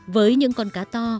với những con cá to